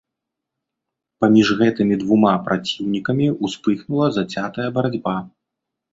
Паміж гэтымі двума праціўнікамі ўспыхнула зацятая барацьба.